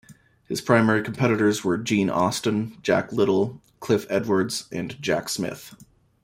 His primary competitors were Gene Austin, Jack Little, Cliff Edwards and Jack Smith.